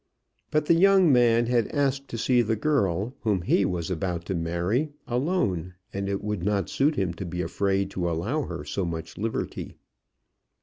But the young man had asked to see the girl whom he was about to marry alone, and it would not suit him to be afraid to allow her so much liberty.